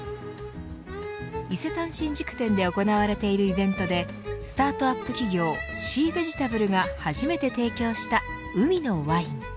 伊勢丹新宿店で行われているイベントでスタートアップ企業シーベジタブルが初めて提供した海のワイン。